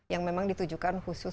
yang memang ditujukan khusus